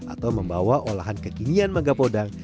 atau membawa olahan kekinian mangga podang